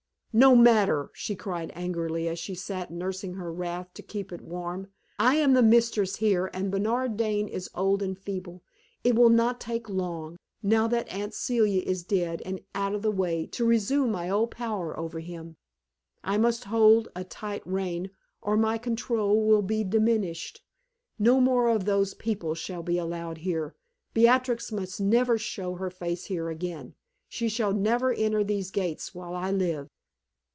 "No matter," she cried angrily, as she sat nursing her wrath to keep it warm; "I am mistress here and Bernard Dane is old and feeble. It will not take long, now that Aunt Celia is dead and out of the way, to resume my old power over him. I must hold a tight rein, or my control will be diminished. No more of those people shall be allowed here. Beatrix must never show her face here again. She shall never enter these gates while I live!"